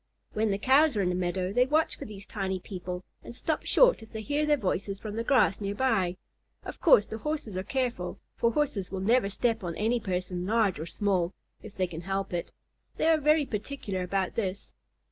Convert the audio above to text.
When the Cows are in the meadow, they watch for these tiny people, and stop short if they hear their voices from the grass near by. Of course the Horses are careful, for Horses will never step on any person, large or small, if they can help it. They are very particular about this.